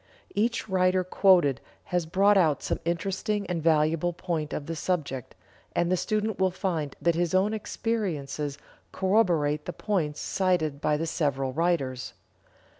Each writer quoted has brought out some interesting and valuable point of the subject, and the student will find that his own experiences corroborate the points cited by the several writers.